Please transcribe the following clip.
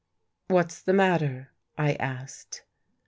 " What's the matter? " I asked.